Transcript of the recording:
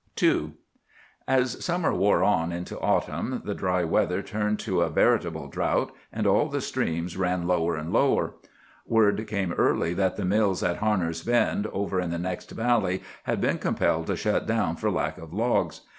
II As summer wore on into autumn the dry weather turned to a veritable drought, and all the streams ran lower and lower. Word came early that the mills at Harner's Bend, over in the next valley, had been compelled to shut down for lack of logs.